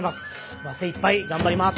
精いっぱい頑張ります。